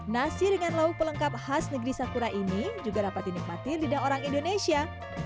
nasi dengan lauk pelengkap khas negeri sakura ini juga dapat dinikmati lidah orang indonesia